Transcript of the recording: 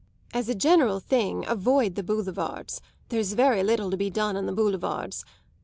As a general thing avoid the Boulevards; there's very little to be done on the Boulevards.